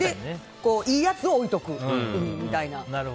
いいやつを置いておくみたいな。